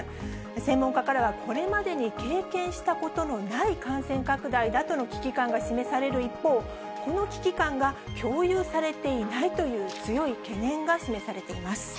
専門家からはこれまでに経験したことのない感染拡大だとの危機感が示される一方、この危機感が共有されていないという強い懸念が示されています。